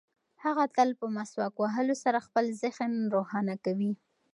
هغه تل په مسواک وهلو سره خپل ذهن روښانه کوي.